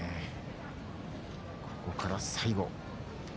ここから最後。